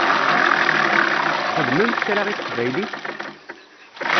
Txedmemt kra i teqbaylit?